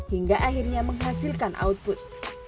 hingga akhirnya menghasilkan output